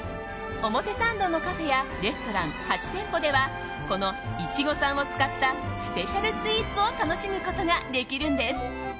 表参道のカフェやレストラン８店舗ではこのいちごさんを使ったスペシャルスイーツを楽しむことができるんです。